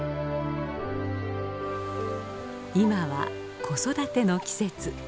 今は子育ての季節。